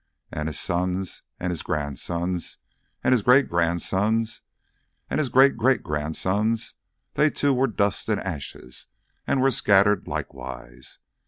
And his sons and his grandsons and his great grandsons and his great great grandsons, they too were dust and ashes, and were scattered likewise.